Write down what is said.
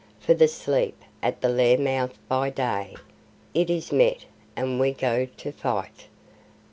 For the sleep at the lair mouth by day, It is met, and we go to the fight.